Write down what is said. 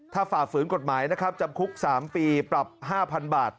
ถ้าฝ่าฝืนกฎหมายนะครับจำคุก๓ปีปรับ๕๐๐๐บาท